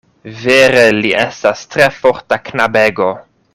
Vere li estas tre forta knabego.